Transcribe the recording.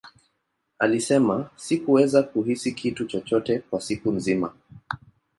Alisema, Sikuweza kuhisi kitu chochote kwa siku nzima.